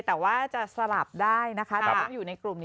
แต่ว่าจะสลับได้นะครับ